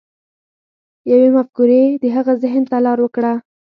يوې مفکورې د هغه ذهن ته لار وکړه.